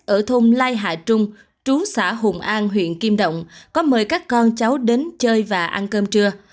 ở thôn lai hạ trung trú xã hùng an huyện kim động có mời các con cháu đến chơi và ăn cơm trưa